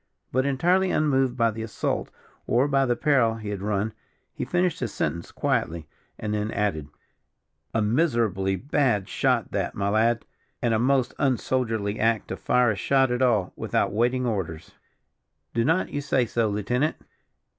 But, entirely unmoved by the assault or by the peril he had run, he finished his sentence quietly, and then added: "A miserably bad shot that, my lad; and a most unsoldierly act to fire a shot at all, without waiting orders. Do not you say so, lieutenant?"